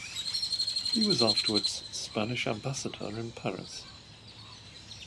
He was afterwards Spanish ambassador in Paris.